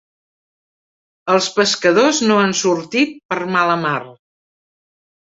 Els pescadors no han sortit per mala mar.